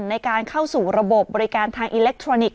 ในการเข้าสู่ระบบบริการทางอิเล็กทรอนิกส